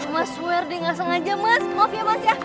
mas swear deh gak sengaja mas maaf ya mas ya